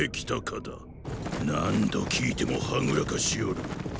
何度聞いてもはぐらかしよる。